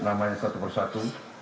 namanya satu persatu